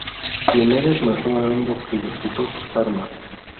Diomedes mató a ambos y les quitó sus armas.